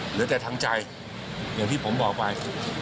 เหลือแต่ทางใจอย่างที่ผมบอกไป